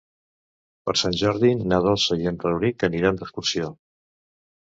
Per Sant Jordi na Dolça i en Rauric aniran d'excursió.